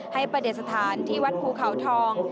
ให้ประเด็ดสถานที่วัดภูเขาทอง